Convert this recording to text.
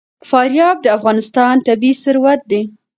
فاریاب د افغانستان طبعي ثروت دی.